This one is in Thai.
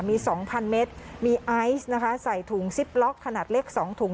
มี๒๐๐เมตรมีไอซ์นะคะใส่ถุงซิปล็อกขนาดเล็ก๒ถุง